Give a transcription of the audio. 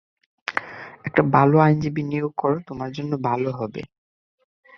একটা ভালো আইনজীবী নিয়োগ করো, তোমার জন্য ভালো হবে।